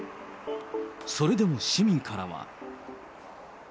それでも市民からは。